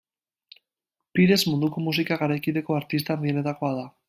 Pires munduko musika garaikideko artista handienetakoa da.